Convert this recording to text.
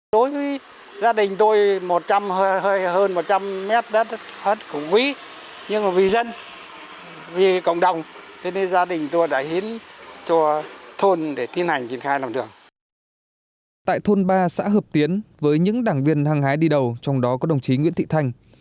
tại thôn ba xã hợp tiến với những đảng viên hăng hái đi đầu trong đó có đồng chí nguyễn thị thanh